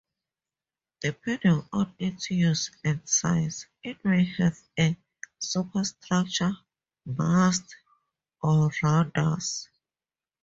Depending on its use and size, it may have a superstructure, masts, or rudders.